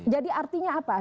jadi artinya apa